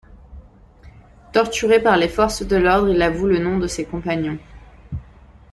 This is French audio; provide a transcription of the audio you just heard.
Torturé par les forces de l'ordre, il avoue le nom de ses compagnons.